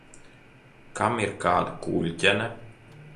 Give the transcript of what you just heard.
Kam ir kāda kuļķene?